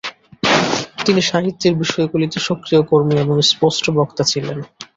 তিনি সাহিত্যের বিষয়গুলিতে সক্রিয় কর্মী এবং স্পষ্ট বক্তা ছিলেন।